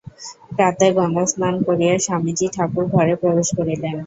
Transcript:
প্রাতে গঙ্গাস্নান করিয়া স্বামীজী ঠাকুর-ঘরে প্রবেশ করিলেন।